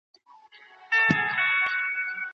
دی. په همدې ډول، نور اقلیتونه لکه بلوڅان،